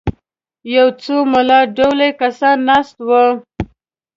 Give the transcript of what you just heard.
یو څو ملا ډولي کسان ناست وو.